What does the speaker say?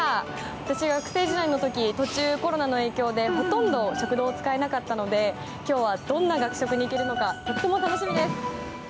私、学生時代の時途中コロナの影響でほとんど食堂を使えなかったので今日はどんな学食に行けるのかとっても楽しみです！